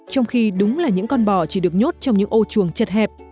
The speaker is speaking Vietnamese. trong khi đúng là những con bò chỉ được nhốt trong những ô chuồng chật hẹp